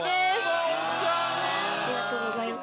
ありがとうございます。